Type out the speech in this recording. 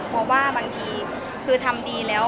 เพราะว่าบางทีคือทำดีแล้ว